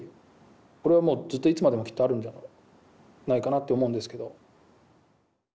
これはもうずっといつまでもきっとあるんじゃないかなって思うんですけど。